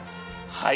はい。